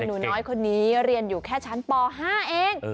หนูน้อยคนนี้เรียนอยู่แค่ชั้นป๕เอง